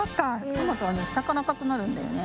トマトはねしたからあかくなるんだよね。